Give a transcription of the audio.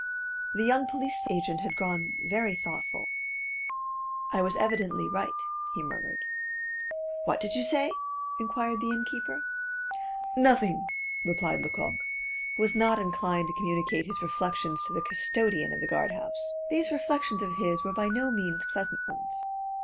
The young police agent had grown very thoughtful. "I was evidently right," he murmured. "What did you say?" inquired the keeper. "Nothing," replied Lecoq, who was not inclined to communicate his reflections to the custodian of the guard house. These reflections of his were by no means pleasant ones.